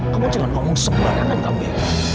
kamu jangan ngomong sebarangan kamu ya